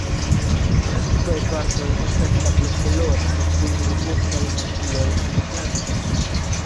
La subaj partoj estas sablokoloraj kun ruĝecaj makuloj en flankoj.